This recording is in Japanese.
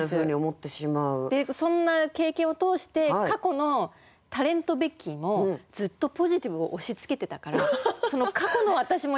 そんな経験を通して過去のタレントベッキーもずっとポジティブを押しつけてたからその過去の私もよくなかったなってすごく。